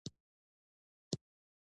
دا یو ډیر ستونزو ډک زندان و.